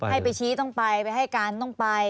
ให้ไปชี้ต้องไปไปให้การต้องไป